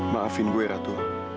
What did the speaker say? maafin gue ratu